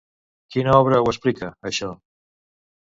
Quina obra ho explica, això?